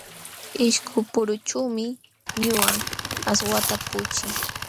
Ishkupurućhuumi ñuqaqa aswata puquchii.